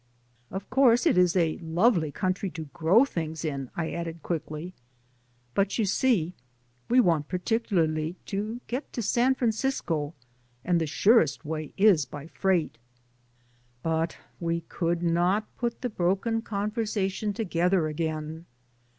0f course it is a lovely country to grow things in," I added quickly, "but you see we want particularly to get to San Francisco, and the surest way is by freight." But we could not put the broken conversation together again.